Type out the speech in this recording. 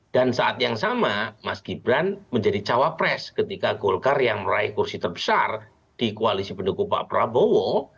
dan saat yang sama mas gibran menjadi cawapres ketika golkar yang meraih kursi terbesar di koalisi pendukung pak prabowo